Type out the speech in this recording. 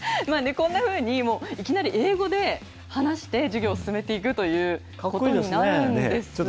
こんなふうに、もういきなり英語で話して、授業を進めていくといかっこいいですね。